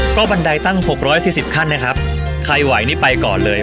ก็บันไดตั้งหกร้อยสี่สิบขั้นนะครับใครไหวนี่ไปก่อนเลย